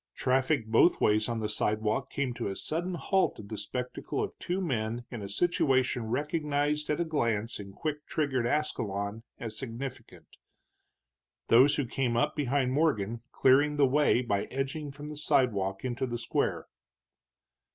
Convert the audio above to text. Traffic both ways on the sidewalk came to a sudden halt at the spectacle of two men in a situation recognized at a glance in quick triggered Ascalon as significant, those who came up behind Morgan clearing the way by edging from the sidewalk into the square.